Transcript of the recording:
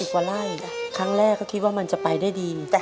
กว่าไล่ครั้งแรกก็คิดว่ามันจะไปได้ดี